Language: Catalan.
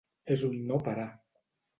És un no parar.